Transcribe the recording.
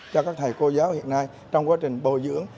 cho các thầy cô giáo hiện nay trong quá trình bồi dưỡng